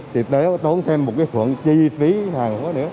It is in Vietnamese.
thì tới tốn thêm một cái phận chi phí hàng quá nữa